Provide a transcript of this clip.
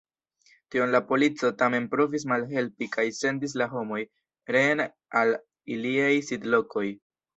Tion la polico tamen provis malhelpi kaj sendis la homoj reen al iliaj sidlokoj.